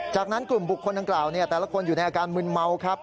จากนั้นกลุ่มบุคคลดังกล่าวแต่ละคนอยู่ในอาการมึนเมาครับ